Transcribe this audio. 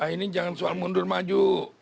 ini jangan soal mundur maju